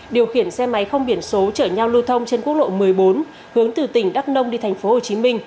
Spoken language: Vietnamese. điều khiển xe máy không biển số chở nhau lưu thông trên quốc lộ một mươi bốn hướng từ tỉnh đắk nông đi tp hcm